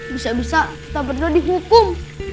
bisa bisa tak pernah dihukum